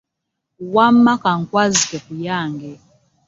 Wamma ka nkwazike ku yange.